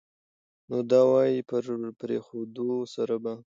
نو د دوائي پرېښودو سره به